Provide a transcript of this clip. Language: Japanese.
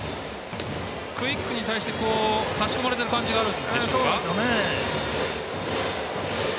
クイックに対して差し込まれてる感じがあるんですね。